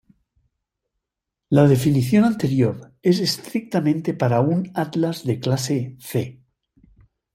La definición anterior es estrictamente para un atlas de clase "C".